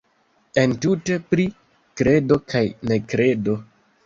Entute pri kredo kaj nekredo.